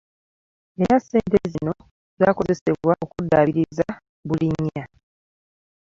Era ssente zino zaakozesebwa okuddaabiriza Bulinnya